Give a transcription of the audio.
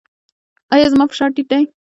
ایا زما فشار ټیټ دی؟